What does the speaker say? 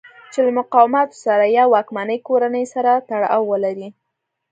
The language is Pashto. چې له مقاماتو سره یا واکمنې کورنۍ سره تړاو ولرئ.